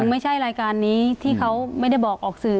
ไม่ใช่รายการนี้ที่เขาไม่ได้บอกออกสื่อ